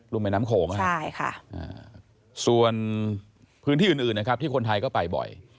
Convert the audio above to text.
รุมแบ่งน้ำโขงค่ะส่วนพื้นที่อื่นที่คนไทยก็ไปบ่อย